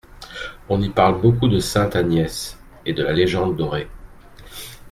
On y parle beaucoup de sainte Agnès et de la légende dorée.